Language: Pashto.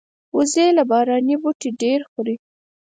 وزې له باراني بوټي ډېر خوري